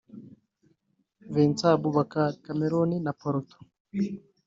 Vincent Aboubakar (Cameroon na Porto)